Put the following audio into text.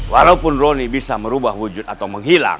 walaupun roni bisa merubah wujud atau menghilang